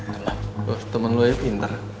tuh temen lu aja pinter